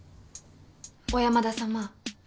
小山田様